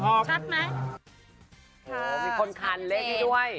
เหมือนคนขาดเร่งด้วย